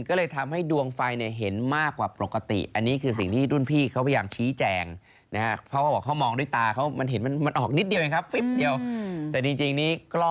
ก็เลยทำให้ดวงไฟเห็นมากกว่าปกติ